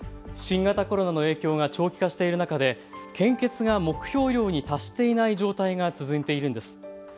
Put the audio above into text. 新型コロナの影響が長期化している中で献血が目標量に達していない状態が続いているんです。